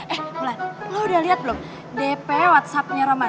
eh mulan lo udah liat belum dp whatsappnya roman